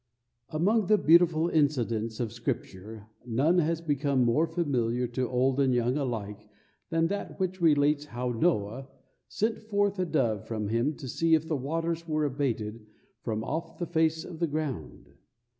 Among the beautiful incidents of scripture none has become more familiar to old and young alike than that which relates how Noah "sent forth a dove from him to see if the waters were abated from off the face of the ground."